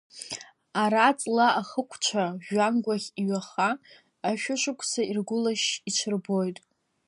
Ара-ҵла ахықәцәа жәҩангәахь иҩаха, ашәышықәсқәа иргәылашьшь иҽырбоит.